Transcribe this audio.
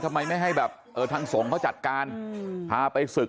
ทำไมไม่ให้แบบเออทางสงฆ์เขาจัดการพาไปศึก